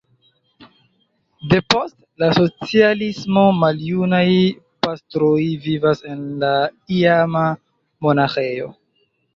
Depost la socialismo maljunaj pastroj vivas en la iama monaĥejo.